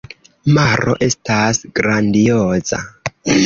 Maro estas grandioza.